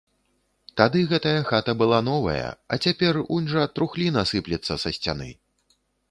Тады гэтая хата была новая, а цяпер унь жа трухліна сыплецца са сцяны!